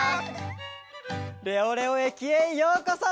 レオレオ駅へようこそ！